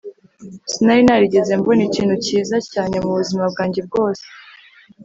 sinari narigeze mbona ikintu cyiza cyane mubuzima bwanjye bwose